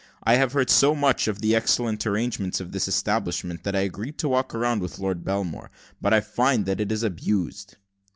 I have heard so much of the excellent arrangements of this establishment, that I agreed to walk round with Lord Belmore; but I find that it is abused."